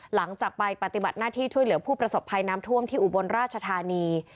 หลังจากไปปฏิบัติหน้าที่ช่วยเหลือผู้ประสบภัยน้ำท่วมที่อุบลราชธานี